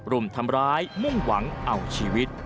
รุมทำร้ายมุ่งหวังเอาชีวิต